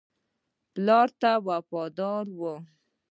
پلار ته وفادار وو.